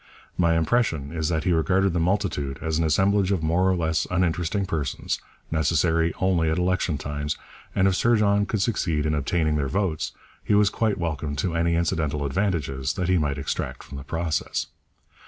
My impression is that he regarded the multitude as an assemblage of more or less uninteresting persons, necessary only at election times; and if Sir John could succeed in obtaining their votes, he was quite welcome to any incidental advantages that he might extract from the process.